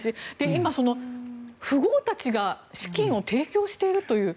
今、富豪たちが資金を提供しているという。